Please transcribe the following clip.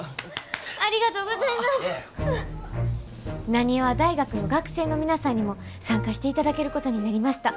浪速大学の学生の皆さんにも参加していただけることになりました。